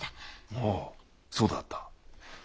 おおそうだった。